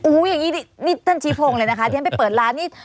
อย่างนี้นี่ท่านชี้โพงเลยนะคะที่ฉันไปเปิดร้านนี่